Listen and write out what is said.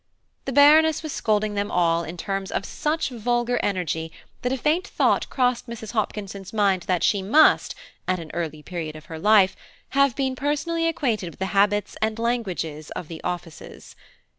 The Baroness was scolding them all in terms of such vulgar energy that a faint thought crossed Mrs. Hopkinson's mind that she must, at an early period of her life, have been personally acquainted with the habits and languages of the offices.